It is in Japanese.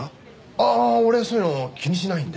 ああ俺そういうの気にしないんで！